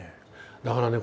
だからね